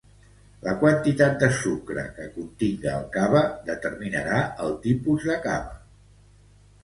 La quantitat de sucre que continga el cava determinarà el tipus de cava.